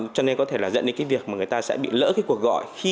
cho nên có thể dẫn đến việc người ta sẽ bị lỡ cuộc gọi